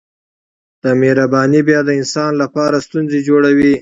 دا ترحم بیا د انسان لپاره ستونزې جوړوي